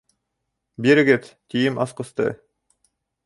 Бирегеҙ, тием асҡысты.